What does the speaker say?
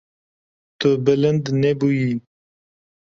Tu bilind nebûyî.